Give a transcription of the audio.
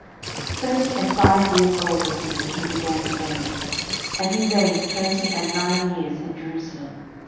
12:018:002 Twenty and five years old was he when he began to reign; and he reigned twenty and nine years in Jerusalem.